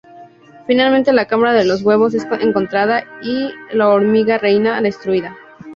Finalmente la cámara de los huevos es encontrada y la hormiga reina destruida.